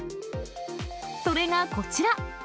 それがこちら。